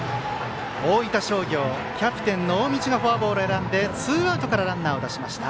大分商業、キャプテンの大道がフォアボールを選んでツーアウトからランナーを出しました。